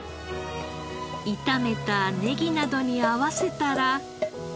炒めたネギなどに合わせたら。